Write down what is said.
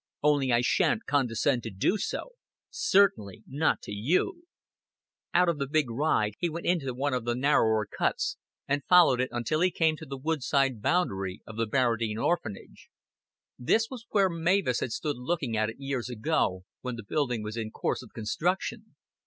Only I shan't condescend to do so certainly not to you." Out of the big ride he went into one of the narrower cuts, and followed it until he came to the woodside boundary of the Barradine Orphanage. This was where Mavis had stood looking at it years ago, when the building was in course of construction.